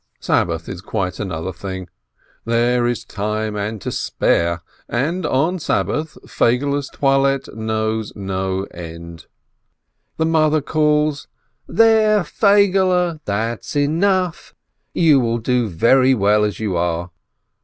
Sabbath it is quite another thing — there is time and to spare, and on Sabbath Feigele's toilet knows no end. The mother calls, "There, Feigele, that's enough! You will do very well as you are."